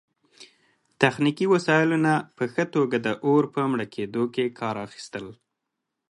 تخنیکي وسایلو نه په ښه توګه د اور په مړه کیدو کې کار اخیستل